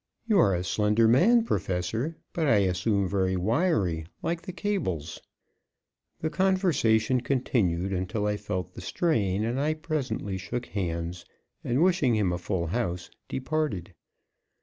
"You are a slender man, Professor, but I assume, very wiry, like the cables." The conversation continued until I felt the strain, and I presently shook hands, and wishing him a full house, departed.